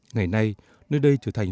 ngày nay nơi đây trở thành